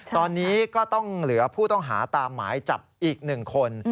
ตอนนี้ก็ต้องเหลือผู้ต้องหาตามหมายจับอีก๑คน